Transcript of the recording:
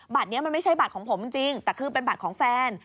บัตรนี้มันไม่ใช่บัตรของผมจริงแต่คือเป็นบัตรของแฟน